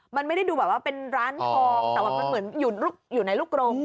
มันไม่ได้ดูแบบว่าเป็นร้านทองแต่ว่ามันเหมือนอยู่ในลูกกรง